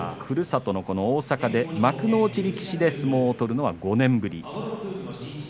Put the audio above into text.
ふるさとの大阪で幕内力士で相撲を取るのは５年ぶり。